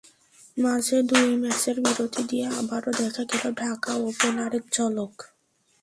মাঝে দুই ম্যাচের বিরতি দিয়ে আবারও দেখা গেল ঢাকা ওপেনারের ঝলক।